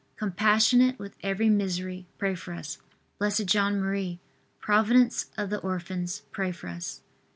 compassionate with every misery, pray for us. B. J. M., providence of the orphans, pray for us.